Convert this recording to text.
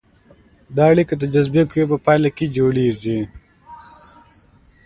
دا اړیکه د جاذبې قوې په پایله کې جوړیږي.